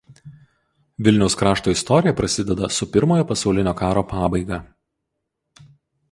Vilniaus krašto istorija prasideda su Pirmojo pasaulinio karo pabaiga.